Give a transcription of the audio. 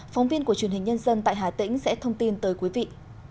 phóng viên của truyền hình nhân dân tại hà tĩnh sẽ thông tin tới quý vị